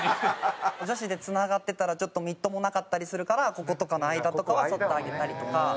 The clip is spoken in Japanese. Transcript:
女子でつながってたらちょっとみっともなかったりするからこことかの間とかはそってあげたりとか。